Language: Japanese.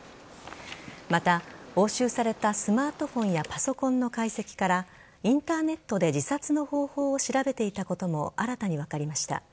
また、押収されたスマートフォンやパソコンの解析からインターネットで自殺の方法を調べていたことも新たに分かりました。